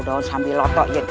daun sambil otot